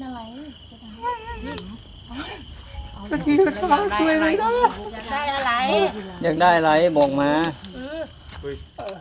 อะไรสติยังได้อะไรยังได้อะไรยังได้อะไรบ่งมาอืออุ้ย